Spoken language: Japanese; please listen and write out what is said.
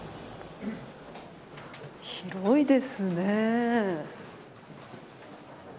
広いですね。